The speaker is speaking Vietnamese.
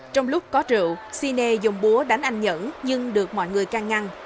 trong lúc có rượu sinea dùng búa đánh anh nhẫn nhưng được mọi người căng ngăn